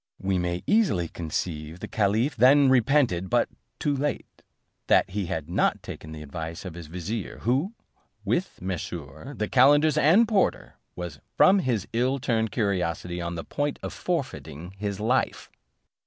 We may easily conceive the caliph then repented, but too late, that he had not taken the advice of his vizier, who, with Mesrour, the calenders and porter, was from his ill timed curiosity on the point of forfeiting his life.